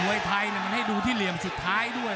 วยไทยมันให้ดูที่เหลี่ยมสุดท้ายด้วย